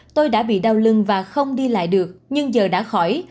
tôi đã bị đau lưng và không đi lại được nhưng giờ đã khỏi